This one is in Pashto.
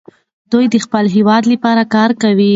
دوی د خپل هېواد لپاره کار کوي.